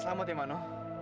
selamat ya mano